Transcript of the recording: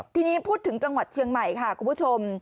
ทีนี้พูดถึงจังหวัดเชียงใหม่ค่ะคุณผู้ชม